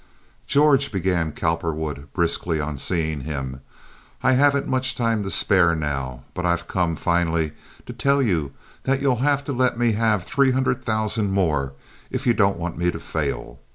"George," began Cowperwood, briskly, on seeing him, "I haven't much time to spare now, but I've come, finally, to tell you that you'll have to let me have three hundred thousand more if you don't want me to fail.